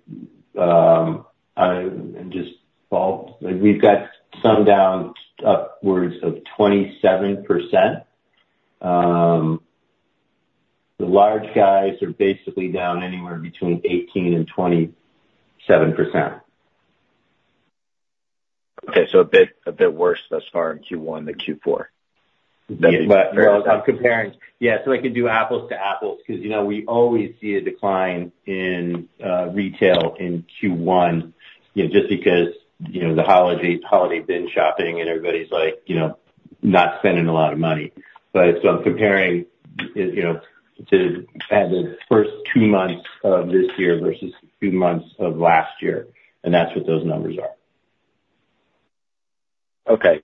and just like, we've got some down upwards of 27%. The large guys are basically down anywhere between 18% and 27%. Okay, so a bit, a bit worse thus far in Q1 than Q4? Well, I'm comparing. Yeah, so I can do apples to apples, 'cause, you know, we always see a decline in retail in Q1, you know, just because, you know, the holiday season shopping and everybody's like, you know, not spending a lot of money. So I'm comparing it, you know, to the first two months of this year versus two months of last year, and that's what those numbers are. Okay,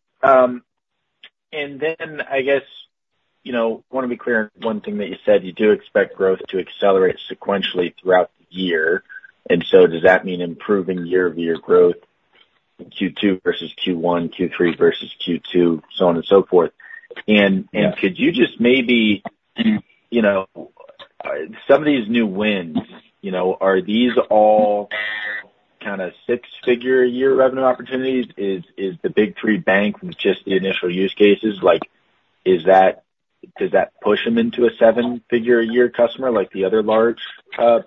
and then I guess, you know, want to be clear on one thing that you said, you do expect growth to accelerate sequentially throughout the year, and so does that mean improving year-over-year growth in Q2 versus Q1, Q3 versus Q2, so on and so forth? Yeah. And could you just maybe, you know, some of these new wins, you know, are these all kind of six-figure-a-year revenue opportunities? Is, is the big three bank with just the initial use cases, like, is that- does that push them into a seven-figure-a-year customer, like the other large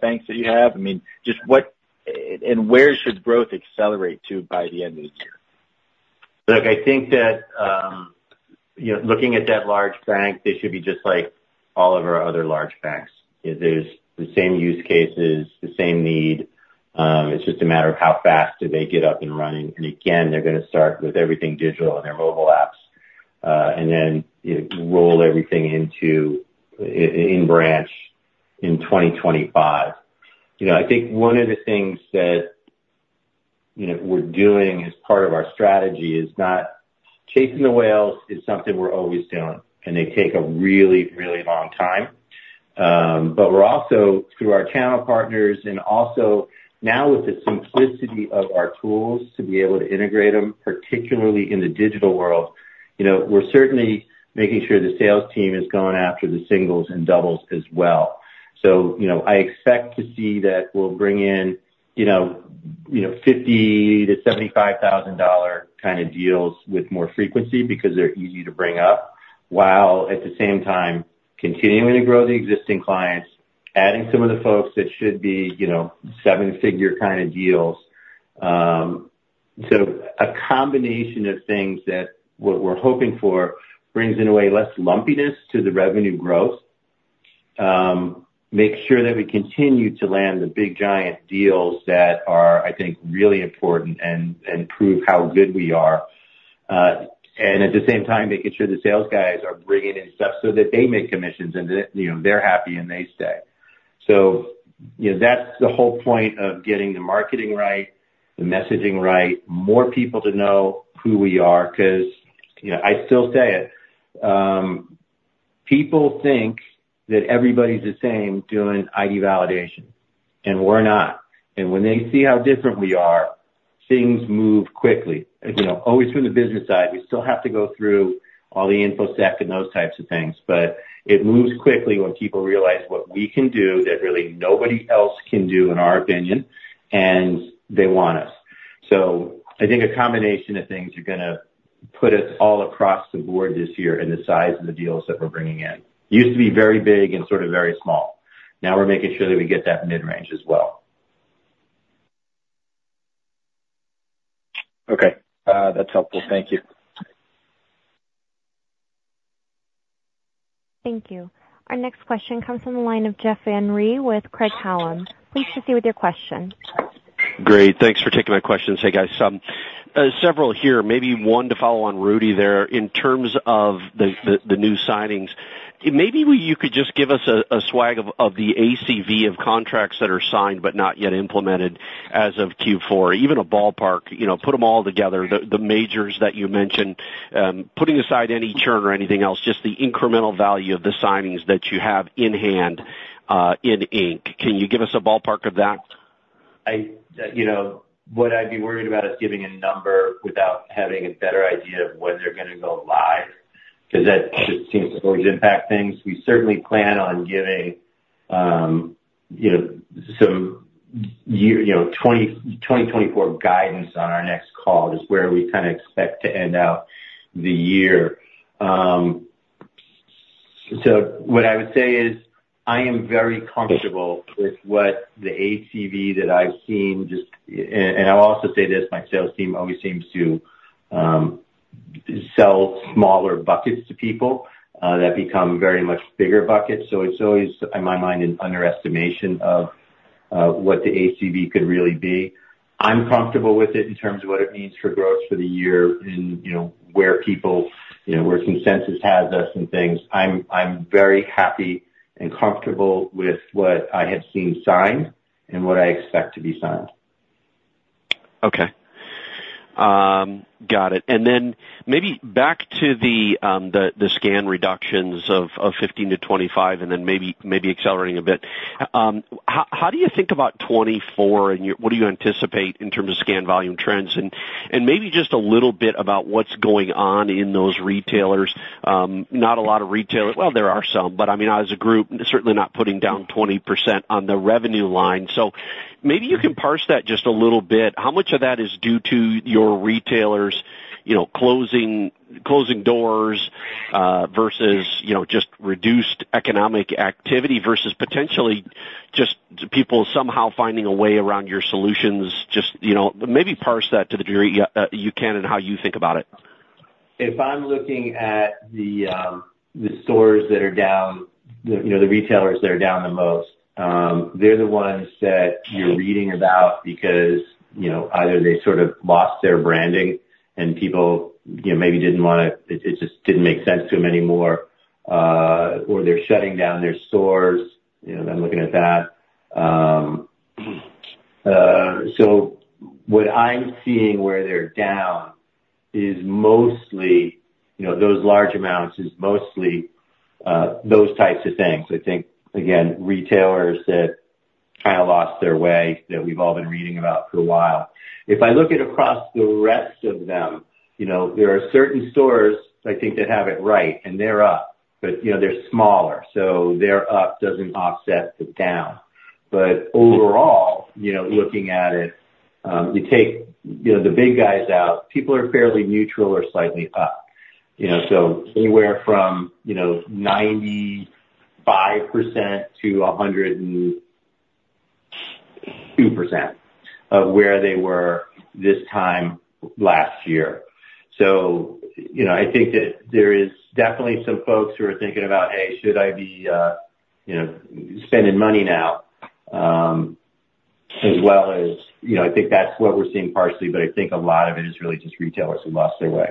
banks that you have? I mean, just what, And where should growth accelerate to by the end of the year? Look, I think that, you know, looking at that large bank, they should be just like all of our other large banks. There's the same use cases, the same need, it's just a matter of how fast do they get up and running. And again, they're gonna start with everything digital on their mobile apps, and then, you know, roll everything into in branch in 2025. You know, I think one of the things. You know, we're doing as part of our strategy is not chasing the whales is something we're always doing, and they take a really, really long time. But we're also, through our channel partners and also now with the simplicity of our tools, to be able to integrate them, particularly in the digital world, you know, we're certainly making sure the sales team is going after the singles and doubles as well. So, you know, I expect to see that we'll bring in, you know, you know, $50,000-$75,000 kind of deals with more frequency because they're easy to bring up, while at the same time continuing to grow the existing clients, adding some of the folks that should be, you know, seven-figure kind of deals. So, a combination of things that what we're hoping for brings in a way, less lumpiness to the revenue growth. Make sure that we continue to land the big, giant deals that are, I think, really important and, and prove how good we are. And at the same time, making sure the sales guys are bringing in stuff so that they make commissions and that, you know, they're happy and they stay. So, you know, that's the whole point of getting the marketing right, the messaging right, more people to know who we are. 'Cause, you know, I still say it, people think that everybody's the same doing ID validation, and we're not. And when they see how different we are, things move quickly. You know, always through the business side, we still have to go through all the InfoSec and those types of things, but it moves quickly when people realize what we can do that really nobody else can do, in our opinion, and they want us. I think a combination of things are gonna put us all across the board this year in the size of the deals that we're bringing in. Used to be very big and sort of very small. Now we're making sure that we get that mid-range as well. Okay, that's helpful. Thank you. Thank you. Our next question comes from the line of Jeff Van Rhee with Craig-Hallum. Please proceed with your question. Great. Thanks for taking my questions. Hey, guys, several here, maybe one to follow on Rudy there. In terms of the new signings, maybe you could just give us a swag of the ACV of contracts that are signed but not yet implemented as of Q4. Even a ballpark, you know, put them all together, the majors that you mentioned, putting aside any churn or anything else, just the incremental value of the signings that you have in hand, in ink. Can you give us a ballpark of that? You know, what I'd be worried about is giving a number without having a better idea of when they're gonna go live, because that just seems to always impact things. We certainly plan on giving, you know, some 2024 guidance on our next call is where we kind of expect to end out the year. So what I would say is, I am very comfortable with what the ACV that I've seen just, and I'll also say this, my sales team always seems to sell smaller buckets to people that become very much bigger buckets, so it's always, in my mind, an underestimation of what the ACV could really be. I'm comfortable with it in terms of what it means for growth for the year and, you know, where people, you know, where consensus has us and things. I'm very happy and comfortable with what I have seen signed and what I expect to be signed. Okay. Got it. And then maybe back to the scan reductions of 15%-25%, and then maybe accelerating a bit. How do you think about 2024, and what do you anticipate in terms of scan volume trends? And maybe just a little bit about what's going on in those retailers. Not a lot of retailers. Well, there are some, but I mean, as a group, certainly not putting down 20% on the revenue line. So maybe you can parse that just a little bit. How much of that is due to your retailers, you know, closing doors, versus, you know, just reduced economic activity, versus potentially just people somehow finding a way around your solutions? Just, you know, maybe parse that to the degree you can and how you think about it. If I'm looking at the stores that are down, you know, the retailers that are down the most, they're the ones that you're reading about because, you know, either they sort of lost their branding and people, you know, maybe didn't want to, it, it just didn't make sense to them anymore, or they're shutting down their stores, you know, I'm looking at that. So what I'm seeing where they're down is mostly, you know, those large amounts, is mostly those types of things. I think, again, retailers that kind of lost their way, that we've all been reading about for a while. If I look at across the rest of them, you know, there are certain stores I think that have it right and they're up, but you know, they're smaller, so their up doesn't offset the down. But overall, you know, looking at it, you take, you know, the big guys out, people are fairly neutral or slightly up. You know, so anywhere from, you know, 95%-102% of where they were this time last year. So, you know, I think that there is definitely some folks who are thinking about, "Hey, should I be, you know, spending money now?" As well as, you know, I think that's what we're seeing partially, but I think a lot of it is really just retailers who lost their way.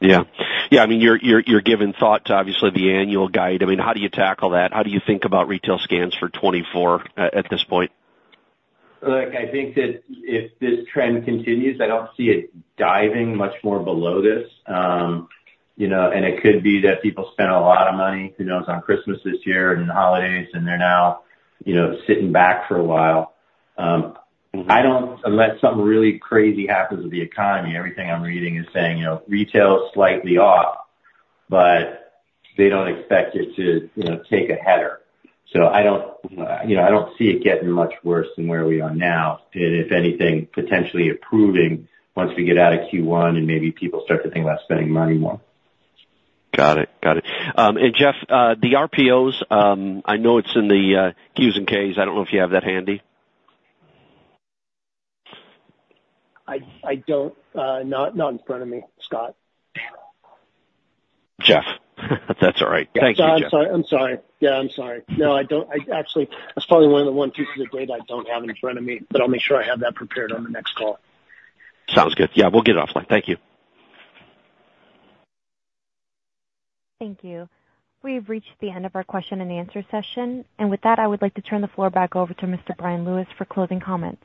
Yeah. Yeah, I mean, you're giving thought to obviously the annual guide. I mean, how do you tackle that? How do you think about retail scans for 2024 at this point? Look, I think that if this trend continues, I don't see it diving much more below this. You know, and it could be that people spent a lot of money, who knows, on Christmas this year and the holidays, and they're now, you know, sitting back for a while. I don't, unless something really crazy happens with the economy, everything I'm reading is saying, you know, retail is slightly off, but they don't expect it to, you know, take a header. So I don't, you know, I don't see it getting much worse than where we are now. And if anything, potentially improving once we get out of Q1 and maybe people start to think about spending money more. Got it. Got it. And Jeff, the RPOs, I know it's in the Qs and Ks. I don't know if you have that handy. I don't. Not in front of me, Scott. Damn! Jeff, that's all right. Thank you, Jeff. I'm sorry. I'm sorry. Yeah, I'm sorry. No, I don't, I actually, that's probably one of the pieces of data I don't have in front of me, but I'll make sure I have that prepared on the next call. Sounds good. Yeah, we'll get it offline. Thank you. Thank you. We've reached the end of our question and answer session, and with that, I would like to turn the floor back over to Mr. Bryan Lewis for closing comments.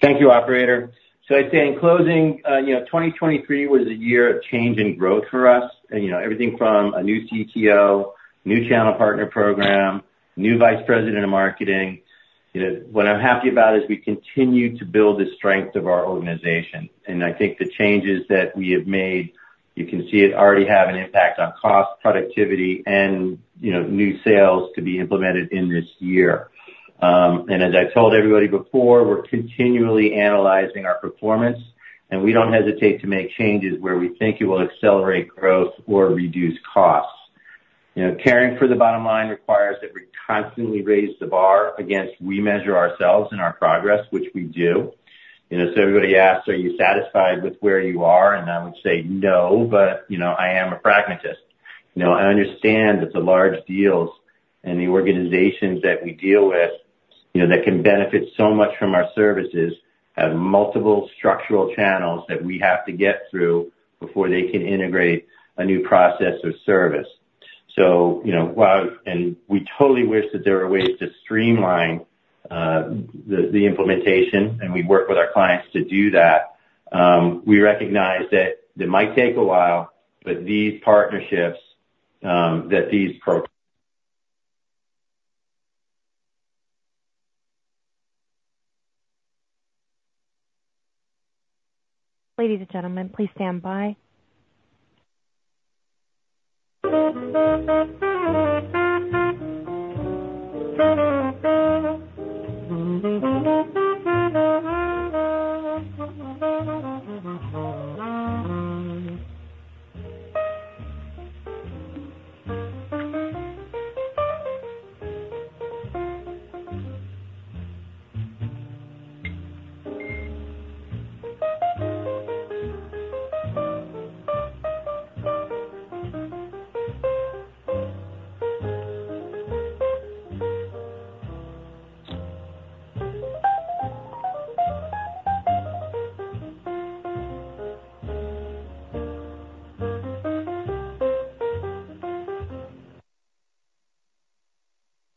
Thank you, operator. So I'd say in closing, you know, 2023 was a year of change and growth for us, and, you know, everything from a new CTO, new channel partner program, new vice president of marketing. You know, what I'm happy about is we continue to build the strength of our organization, and I think the changes that we have made, you can see it already have an impact on cost, productivity and, you know, new sales to be implemented in this year. And as I've told everybody before, we're continually analyzing our performance, and we don't hesitate to make changes where we think it will accelerate growth or reduce costs. You know, caring for the bottom line requires that we constantly raise the bar against we measure ourselves and our progress, which we do. You know, so everybody asks: Are you satisfied with where you are? And I would say, no, but, you know, I am a pragmatist. You know, I understand that the large deals and the organizations that we deal with, you know, that can benefit so much from our services, have multiple structural channels that we have to get through before they can integrate a new process or service. So, you know, while, And we totally wish that there were ways to streamline the implementation, and we work with our clients to do that, we recognize that it might take a while, but these partnerships that these pro Ladies and gentlemen, please stand by.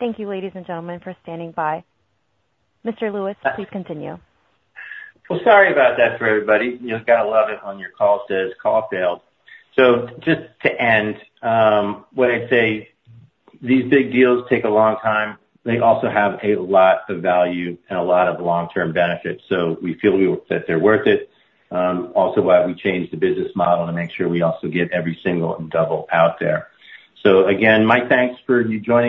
Thank you, ladies and gentlemen, for standing by. Mr. Lewis, please continue. Well, sorry about that for everybody. You've got to love it when your call says call failed. So just to end, what I'd say, these big deals take a long time. They also have a lot of value and a lot of long-term benefits, so we feel we, that they're worth it. Also why we changed the business model to make sure we also get every single and double out there. So again, my thanks for you joining